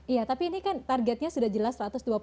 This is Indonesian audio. iya tapi ini kan targetnya sudah jelas satu ratus dua puluh